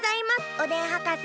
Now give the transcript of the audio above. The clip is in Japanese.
おでんはかせ。